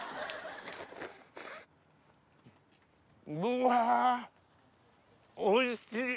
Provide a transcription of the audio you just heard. うわおいしい。